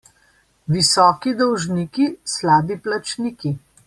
Visoki dolžniki, slabi plačniki.